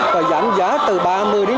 và giảm giá từ ba mươi đến năm mươi